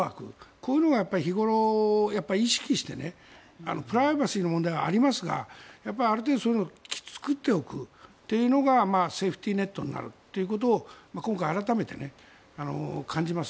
こういうのが日頃、意識してプライバシーの問題はありますがやっぱりある程度、そういうのを作っておくというのがセーフティーネットになるというのを今回、改めて感じます。